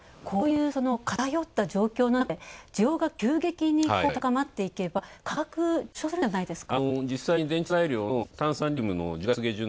こういう偏った状況の中で需要が急激に高まっていけば価格、上昇するんではないですか？